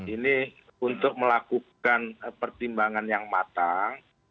ini untuk melakukan pertimbangan yang matang